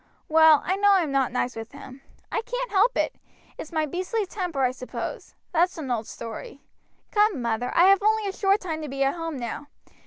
Well, I know I am not nice with him. I can't help it. It's my beastly temper, I suppose. That's an old story. Come, mother, I have only a short time to be at home now.